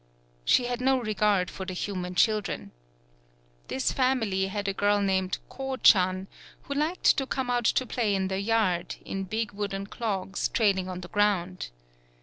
She had no regard for the human children. This family had a girl named Ko chan, who liked to come out to play in the yard, in big wooden clogs trailing on the ground.